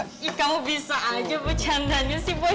ih kamu bisa aja becandanya sih boy